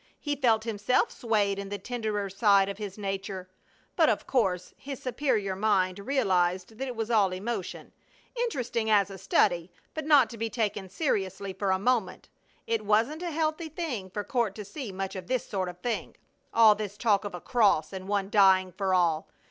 He felt himself swayed in the tenderer side of his nature, but of course his superior mind realized that it was all emotion; interesting as a study, but not to be taken seriously for a moment. It wasn't a healthy thing for Court to see much of this sort of thing. All this talk of a cross, and one dying for all!